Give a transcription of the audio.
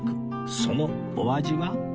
そのお味は？